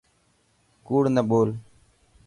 ڪوڙ نه ٻول.